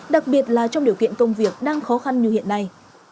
đặc biệt là trong điều kiện công việc đang khó khăn như hiện nay